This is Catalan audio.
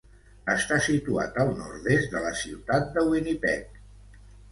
Està situat al nord-est de la ciutat de Winnipeg.